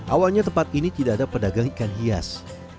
awalnya tempat ini tidak ada pedagang ikan hias